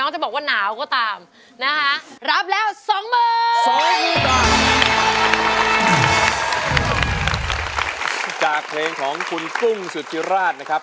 จากเพลงของคุณกุ้งสุธิราชนะครับ